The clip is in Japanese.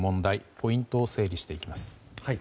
ポイントを整理していきます。